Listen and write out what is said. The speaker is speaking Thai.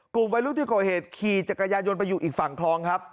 กลุ่มวัยรุ่นที่ก่อเหตุขี่จักรยานยนต์ไปอยู่อีกฝั่งคลองครับ